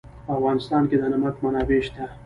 په افغانستان کې د نمک منابع شته.